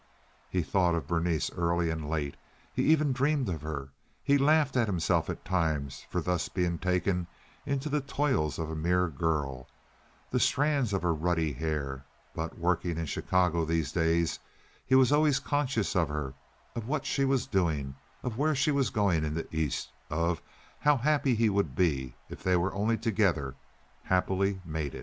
He thought of Berenice early and late; he even dreamed of her. He laughed at himself at times for thus being taken in the toils of a mere girl—the strands of her ruddy hair—but working in Chicago these days he was always conscious of her, of what she was doing, of where she was going in the East, of how happy he would be if they were only together, happily mated.